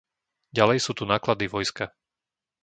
Ďalej sú tu náklady vojska.